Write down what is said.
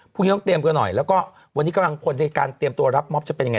พรุ่งนี้ต้องเตรียมกันหน่อยแล้วก็วันนี้กำลังพลในการเตรียมตัวรับมอบจะเป็นยังไง